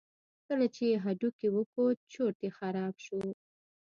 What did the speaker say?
کله چې یې هډوکی وکوت چورت یې خراب شو.